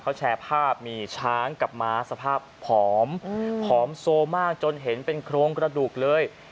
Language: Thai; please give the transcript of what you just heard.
เขาแชร์ภาพมีช้างกับม้าสภาพผอมผอมโซมากจนเห็นเป็นโครงกระดูกเลย